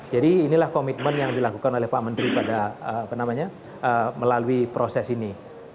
jadi inilah komitmen yang dilakukan oleh pak menteri pada apa namanya melalui proses ini